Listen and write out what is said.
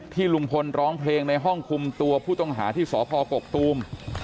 ลุงพลร้องเพลงในห้องคุมตัวผู้ต้องหาที่สพกกตูม